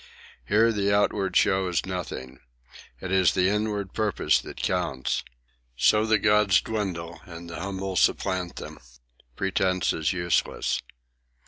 Here the outward show is nothing, it is the inward purpose that counts. So the 'gods' dwindle and the humble supplant them. Pretence is useless.